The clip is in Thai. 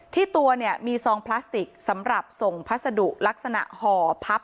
ตัวเนี่ยมีซองพลาสติกสำหรับส่งพัสดุลักษณะห่อพับ